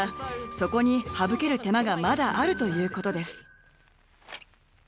そこに省ける手間がまだあるということです。